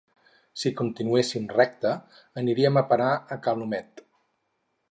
si continuéssim recte aniríem a parar a ca l'Humet